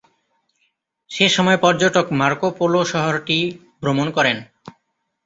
সেসময় পর্যটক Marco Polo শহরটি ভ্রমণ করেন।